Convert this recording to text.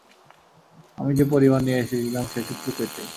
আমি যে পরিমাণ নিয়ে এসেছিলাম সেটুকু পেতে।